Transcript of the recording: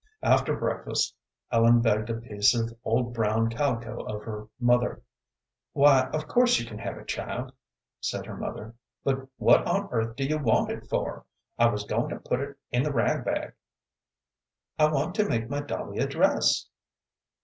After breakfast Ellen begged a piece of old brown calico of her mother. "Why, of course you can have it, child," said her mother; "but what on earth do you want it for? I was goin' to put it in the rag bag." "I want to make my dolly a dress."